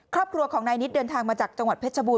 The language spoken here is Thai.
ครอบครัวของนายนิดเดินทางมาจากจังหวัดเพชรบูร